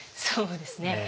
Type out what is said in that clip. そうですね